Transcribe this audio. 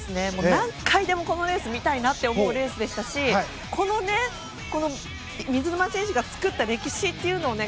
何回でもこのレース見たいなって思うレースでしたしこの水沼選手が作った歴史っていうのをね